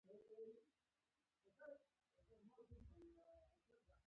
ادبي غلا ستاسو لیکنې شکمنې کوي.